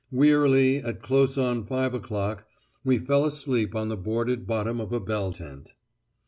Wearily, at close on five o'clock, we fell asleep on the boarded bottom of a bell tent.